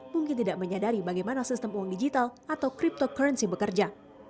mungkin tidak menyadari bagaimana sistem uang digital atau cryptocurrency bekerja